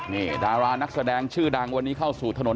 นี่ดารานักแสดงชื่อดังวันนี้เข้าสู่ที่นี่นะครับ